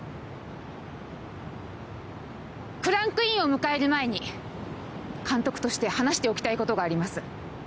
クランクインを迎える前に監督として話しておきたいことがあります。